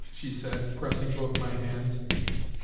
" she said, pressing both my hands.